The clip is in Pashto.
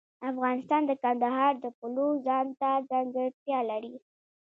افغانستان د کندهار د پلوه ځانته ځانګړتیا لري.